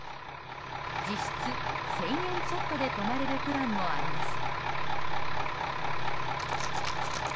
実質１０００円ちょっとで泊まれるプランもあります。